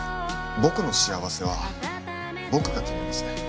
僕の幸せは僕が決めます